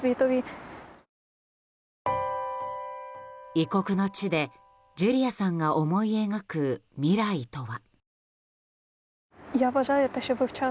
異国の地で、ジュリアさんが思い描く未来とは。